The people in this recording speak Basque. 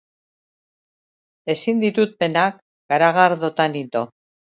Ezin dituk penak garagardotan ito.